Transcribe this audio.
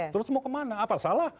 terus mau kemana apa salah